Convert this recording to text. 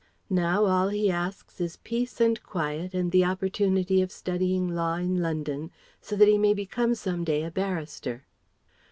Now all he asks is peace and quiet and the opportunity of studying law in London so that he may become some day a barrister.